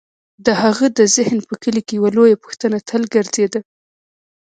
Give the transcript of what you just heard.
د هغه د ذهن په کلي کې یوه لویه پوښتنه تل ګرځېده: